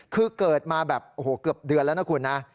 คือเกิดมาแบบโอ้โหเกือบเดือนแล้วนะคุณนะ